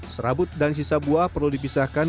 serabut dan sisa buah perlu dipisahkan